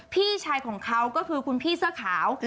พี่ชายของเขาก็คือคุณพี่เสื้อขาว